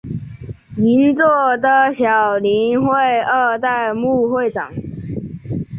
银座的小林会二代目会长。